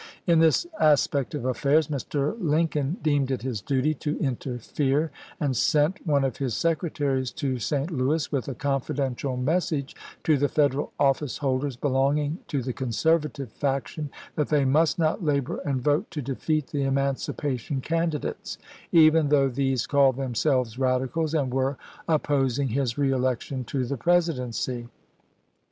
In this as pect of affairs, Mr. Lincoln deemed it his duty to interfere, and sent one of his secretaries to St. Louis with a confidential message to the Federal office holders belonging to the Conservative faction, that they must not labor and vote to defeat the emancipation candidates, even though these called themselves Eadicals and were opposing his reelec tion to the Presidency.